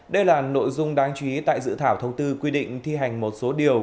đây là nội dung đáng chú ý tại dự thảo thông tư quy định thi hành một số điều